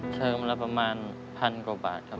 เทอมละประมาณพันกว่าบาทครับ